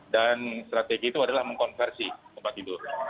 dan strategi itu adalah mengkonversi tempat tidur